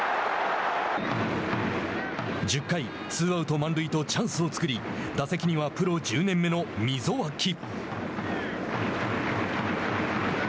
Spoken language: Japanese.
１０回、ツーアウト満塁とチャンスを作り打席にはプロ１０年目の溝脇。